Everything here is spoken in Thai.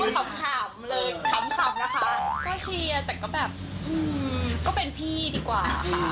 คำนะคะก็เชียร์แต่ก็แบบอืมก็เป็นพี่ดีกว่า